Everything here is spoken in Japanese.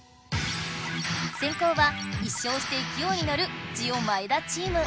先攻は１勝していきおいにのるジオ前田チーム！